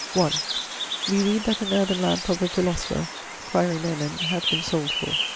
[I.] We read that an earthen lamp of a philosopher (quaere nomen) hath been sold for....